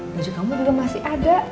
baju kamu juga masih ada